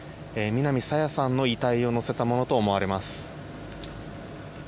南朝芽さんの遺体を乗せたものと思われます。